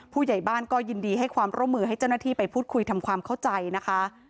ผู้ใหญ่บ้านก็ยินดีให้ความร่วมมือให้เจ้าหน้าที่ไปพูดคุยทำความเข้าใจนะคะ